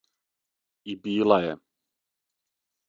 И била је.